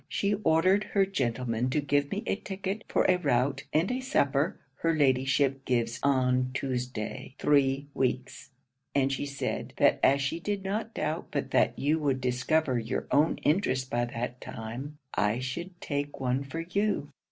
She ordered her gentleman to give me a ticket for a rout and a supper her Ladyship gives on Tuesday three weeks; and she said, that as she did not doubt but that you would discover your own interest by that time, I should take one for you.